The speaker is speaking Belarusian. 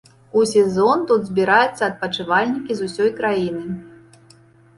У сезон тут збіраюцца адпачывальнікі з усёй краіны.